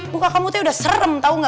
muka kamu tuh udah serem tau gak